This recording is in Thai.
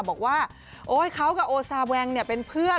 บอกว่าโอ๊ยเขากับโอซาแวงเป็นเพื่อน